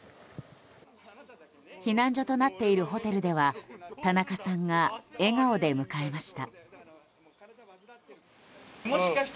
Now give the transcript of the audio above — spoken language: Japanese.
避難所となっているホテルでは田中さんが笑顔で迎えました。